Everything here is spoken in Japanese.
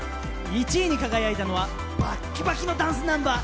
１位に輝いたのはバッキバキのダンスナンバー